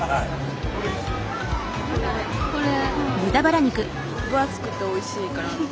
これ。